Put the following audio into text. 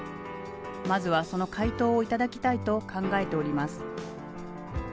まずはその回答を頂きたいと考えております。